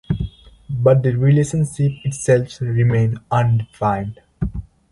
But the relationship itself remained undefined.